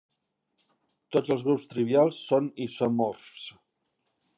Tots els grups trivials són isomorfs.